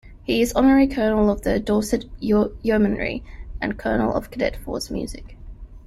He is Honorary Colonel of the Dorset Yeomanry, and Colonel of Cadet Force Music.